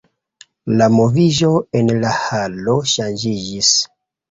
La moviĝo en la halo ŝanĝiĝis.